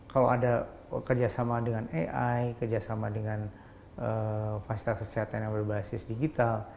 kalau ada kerjasama dengan ai kerjasama dengan fasilitas kesehatan yang berbasis digital